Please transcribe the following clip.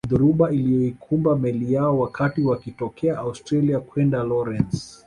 Dhoruba iliyoikumba meli yao wakati wakitokea Australia kwenda Lorence